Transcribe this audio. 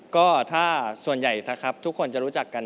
ก็ส่วนใหญ่ที่ทุกคนจะรู้จักกัน